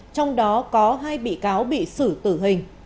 trong đó có hai bị cáo bị xử tử hình